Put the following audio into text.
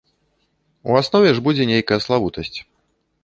У аснове ж будзе нейкая славутасць.